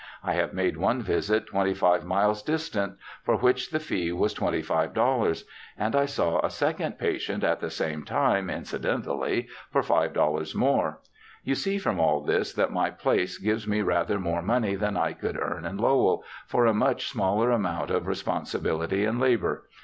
I have made one visit twenty five miles distant, for which the fee was $25; and I saw a second patient, at the same time, incidentally, for S5.00 more. You see from all this, that my place gives me rather more money than I could earn in Lowell, for a much smaller amount of responsi bility and labour.